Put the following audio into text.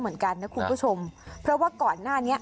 เหมือนกันนะคุณผู้ชมเพราะว่าก่อนหน้านี้